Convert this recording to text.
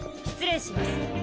失礼します。